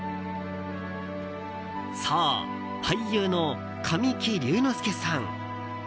そう、俳優の神木隆之介さん。